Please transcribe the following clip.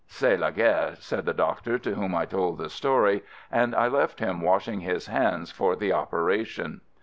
"C'est la guerre," said the doctor to whom I told the story — and I left him washing his hands for the operation.